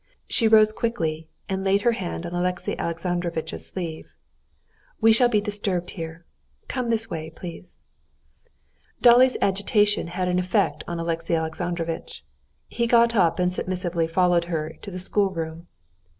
She rose quickly, and laid her hand on Alexey Alexandrovitch's sleeve. "We shall be disturbed here. Come this way, please." Dolly's agitation had an effect on Alexey Alexandrovitch. He got up and submissively followed her to the schoolroom.